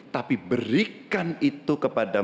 tapi berikan itu kepada